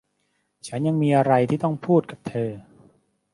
ฉันยังมีอะไรที่ต้องพูดกับเธอ